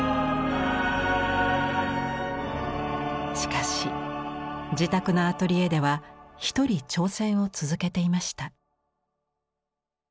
しかし自宅のアトリエでは１人挑戦を続けていました。